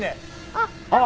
あっあっ！